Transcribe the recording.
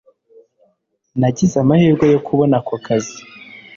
nagize amahirwe yo kubona ako kazi